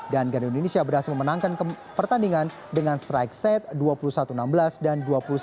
dan ganda indonesia berhasil memenangkan pertandingan dengan strike set dua puluh satu enam belas dan dua puluh satu sembilan belas